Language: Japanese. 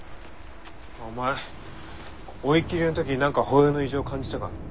お前追い切りの時何か歩様の異常感じたか？